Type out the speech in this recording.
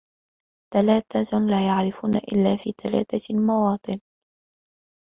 ثَلَاثَةٌ لَا يُعْرَفُونَ إلَّا فِي ثَلَاثَةِ مَوَاطِنَ